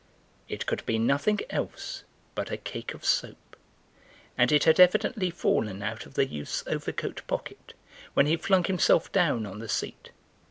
It could be nothing else but a cake of soap, and it had evidently fallen out of the youth's overcoat pocket when he flung himself down on the seat.